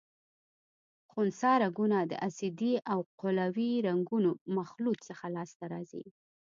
خنثی رنګونه د اسیدي او قلوي رنګونو مخلوط څخه لاس ته راځي.